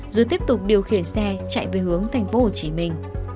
rồi tiếp tục điều khiển xe chạy về hướng thành phố hồ chí minh